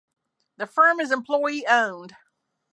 The firm is employee-owned.